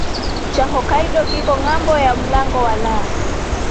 cha Hokkaido kiko ngambo ya mlango wa La